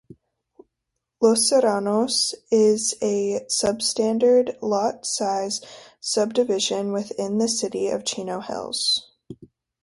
Los Serranos is a substandard lot size subdivision within the city of Chino Hills.